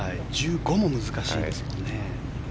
１５も難しいですがね。